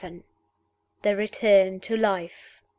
THE RETURN TO LIFE.